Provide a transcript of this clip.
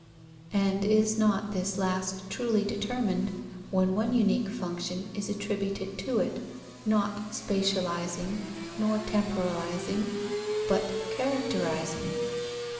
And is not this last truly determined, when one unique function is attributed to it, not spatializing nor temporalizing, but characterizing?